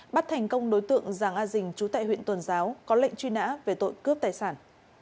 bắt thành công đối tượng giàng a dình trú tại huyện tuần giáo có lệnh truy nã về tội cướp tài sản